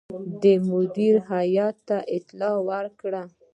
ده مدیره هیات ته اطلاع ورکړه.